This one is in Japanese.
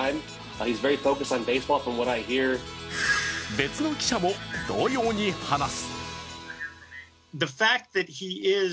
別の記者も同様に話す。